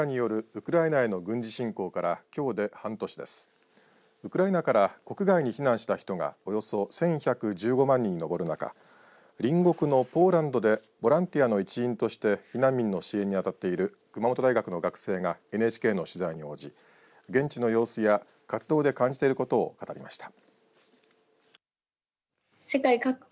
ウクライナから国外に避難した人がおよそ１１１５万人に上る中隣国のポーランドでボランティアの一員として避難民の支援に当たっている熊本大学の学生がＮＨＫの取材に応じ現地の様子や活動で感じていることを語りました。